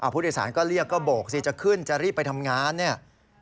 ผู้โดยสารก็เรียกก็โบกสิจะขึ้นจะรีบไปทำงานเนี่ย